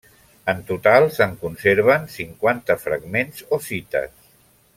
En total, se'n conserven cinquanta fragments o cites.